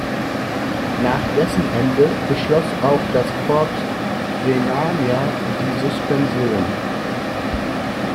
Nach dessen Ende beschloss auch das Corps Rhenania die Suspension.